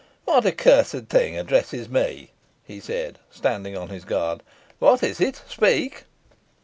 "What accursed thing addresses me?" he said, standing on his guard. "What is it? Speak!"